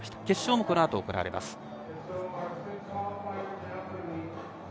決勝もこのあと行われます。